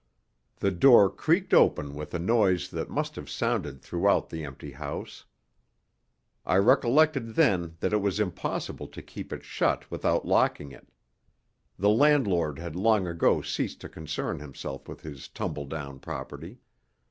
The door creaked open with a noise that must have sounded throughout the empty house. I recollected then that it was impossible to keep it shut without locking it. The landlord had long ago ceased to concern himself with his tumble down property.